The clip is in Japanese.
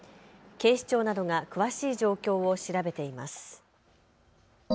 警視庁などが詳しい状況を調べています。